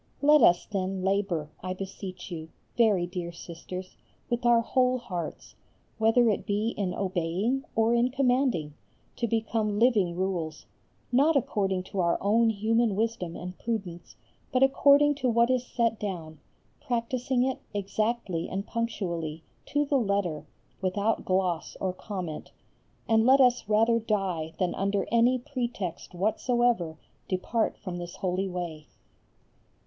Let us, then, labour, I beseech you, very dear Sisters, with our whole hearts, whether it be in obeying or in commanding, to become living Rules, not according to our own human wisdom and prudence, but according to what is set down, practising it, exactly and punctually, to the letter, without gloss or comment; and let us rather die than under any pretext whatsoever depart from this holy way.